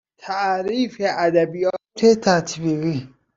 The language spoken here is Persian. تعریف ادبیات تطبیقی